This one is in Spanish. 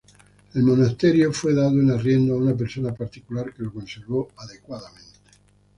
El monasterio fue dado en arriendo a una persona particular que lo conservó adecuadamente.